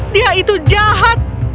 dia itu jahat